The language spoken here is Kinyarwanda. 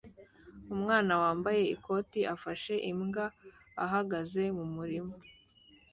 Umwana wambaye ikoti afashe imbwa ahagaze mu murima